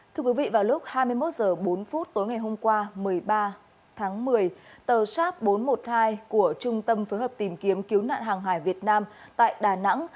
thưa quý vị vào lúc hai mươi một h bốn tối ngày hôm qua một mươi ba tháng một mươi tàu sharp bốn trăm một mươi hai của trung tâm phối hợp tìm kiếm cứu nạn hàng hải việt nam tại đà nẵng